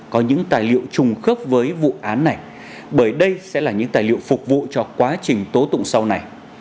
có những tài liệu trùng khớp với vụ án này bởi đây sẽ là những tài liệu phục vụ cho quá trình tố tụng sau này